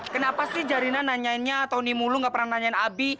kenapa sih jarina nanyainnya tahun ini mulu gak pernah nanyain abi